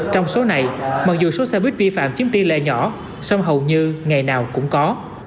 trong số này mặc dù số xe buýt vi phạm chiếm tỷ lệ nhỏ song hầu như ngày nào cũng có